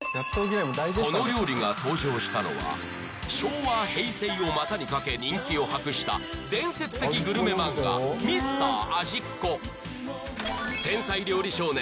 この料理が登場したのは昭和平成を股にかけ人気を博した伝説的グルメ漫画天才料理少年